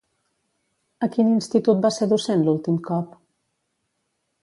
A quin institut va ser docent l'últim cop?